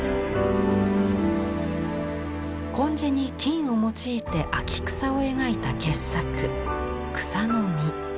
紺地に金を用いて秋草を描いた傑作「草の実」。